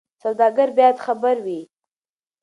سوداګر باید خبر وي.